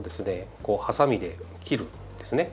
こうハサミで切るんですね。